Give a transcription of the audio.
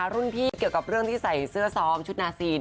รุ่นพี่เกี่ยวกับเรื่องที่ใส่เสื้อซ้อมชุดนาซีน